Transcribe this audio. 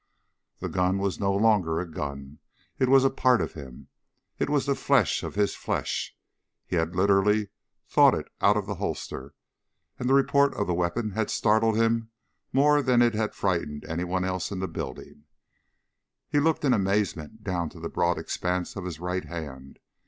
The gun was no longer a gun. It was a part of him. It was flesh of his flesh. He had literally thought it out of the holster, and the report of the weapon had startled him more than it had frightened anyone else in the building. He looked in amazement down to the broad expanse of his right hand.